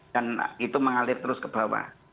dan itu mengalir terus ke bawah